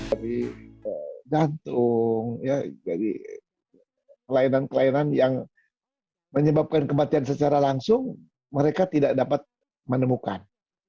dari jantung jadi kelainan kelainan yang menyebabkan kematian secara langsung mereka tidak dapat menemukan